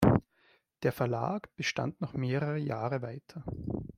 Der Verlag bestand noch mehrere Jahre weiter.